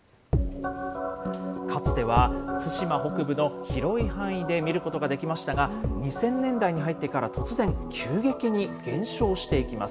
かつては対馬北部の広い範囲で見ることができましたが、２０００年代に入ってから突然、急激に減少していきます。